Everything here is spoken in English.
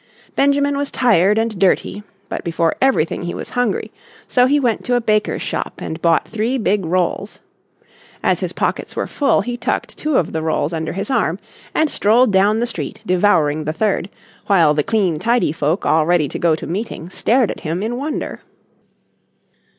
Benjamin was tired and dirty, but before everything he was hungry; so he went to a baker's shop and bought three big rolls. As his pockets were full he tucked two of the rolls under his arm and strolled down the street devouring the third, while the clean tidy folk all ready to go to meeting stared at him in wonder.